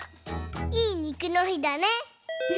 「いいにくの日」だね！